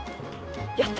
やった！